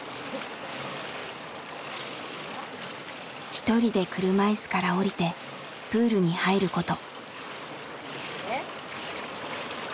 一人で車いすから降りてプールに入ること。